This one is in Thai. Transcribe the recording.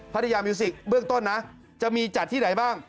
พัทยามิวสิกเบื้องต้นนะจะมีจัดที่ไหนบ้าง